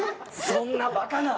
そんなバカな！